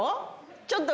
ちょっと。